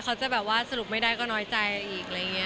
เขาจะแบบว่าสรุปไม่ได้ก็น้อยใจอีก